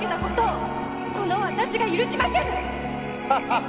この私が許しませぬ！